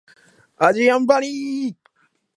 かわいい猫がこっちを見ている